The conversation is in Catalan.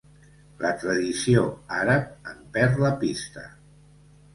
La tradició àrab en perd la pista.